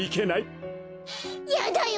やだよ